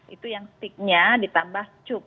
itu yang sticknya ditambah cup